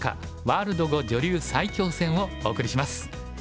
ワールド碁女流最強戦」をお送りします。